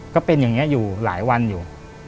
ก็เป็นอย่างนี้อยู่หลายวันอยู่